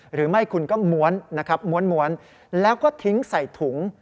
หรือไม่คุณก็ม้วนนะครับม้วนแล้วก็ทิ้งใส่ถุง